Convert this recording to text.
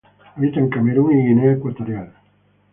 Habita en Camerún y Guinea Ecuatorial.